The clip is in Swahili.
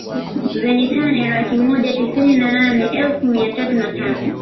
Zenye tani laki moja tisini na nane elfu mia tatu na tano